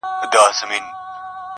پيشو نه وه يو تور پړانگ وو قهرېدلى!!